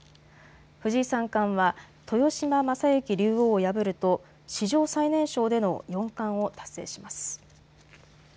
藤井三冠は豊島将之竜王を破ると史上最年少での四冠を達成します。